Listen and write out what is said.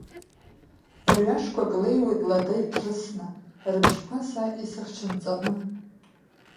Рҩашқәак леиуеит лада иҭрысны, рыбжьқәа са исыхчынҵаны.